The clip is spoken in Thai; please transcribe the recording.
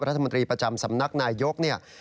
รัฐมนตรีประจำสำนักนายยกเนี่ย